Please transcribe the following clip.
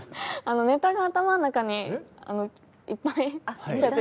ネタが頭の中にいっぱい出ちゃって。